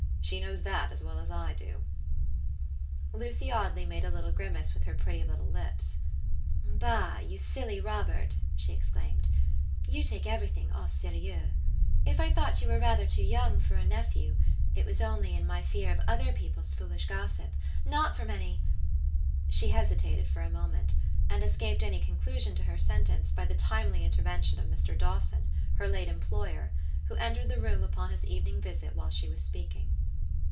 She knows that as well as I do." Lucy Audley made a little grimace with her pretty little lips. "Bah, you silly Robert," she exclaimed; "you take everything au serieux. If I thought you were rather too young for a nephew, it was only in my fear of other people's foolish gossip; not from any" She hesitated for a moment, and escaped any conclusion to her sentence by the timely intervention of Mr. Dawson, her late employer, who entered the room upon his evening visit while she was speaking.